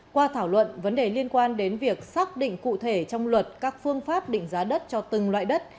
qua thảo luận vấn đề liên quan đến việc xác định cụ thể trong luật các phương pháp định giá đất cho từng loại đất